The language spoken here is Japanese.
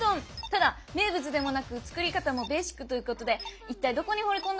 ただ名物でもなく作り方もベーシックということで一体どこにほれ込んだのでしょうか？